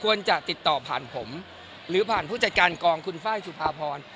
จะติดต่อผ่านผมหรือผ่านผู้จัดการกองคุณไฟล์สุภาพร